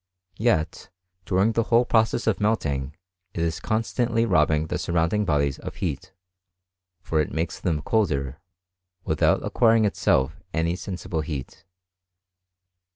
Yet, during the whole process of melting, it is constantly robbing the surrounding bodies of heat ; for it makes them colder, without acquiring itself any sensible heat.